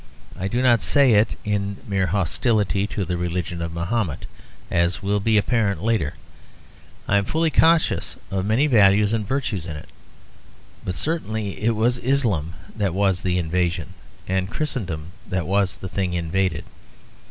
I do not say it in mere hostility to the religion of Mahomet; as will be apparent later, I am fully conscious of many values and virtues in it; but certainly it was Islam that was the invasion and Christendom that was the thing invaded.